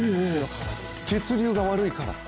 血流が悪いから？